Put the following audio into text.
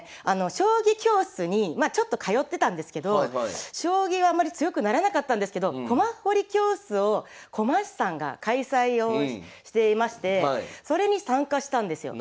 将棋教室にちょっと通ってたんですけど将棋はあんまり強くならなかったんですけど駒彫り教室を駒師さんが開催をしていましてそれに参加したんですよ。